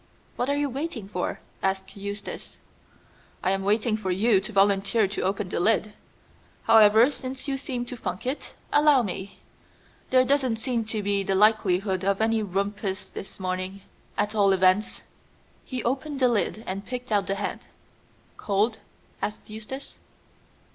"What are you waiting for?" asked Eustace. "I am waiting for you to volunteer to open the lid. However, since you seem to funk it, allow me. There doesn't seem to be the likelihood of any rumpus this morning, at all events." He opened the lid and picked out the hand. "Cold?" asked Eustace.